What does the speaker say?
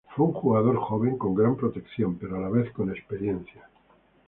Fue un jugador joven con gran protección pero a la vez con experiencia.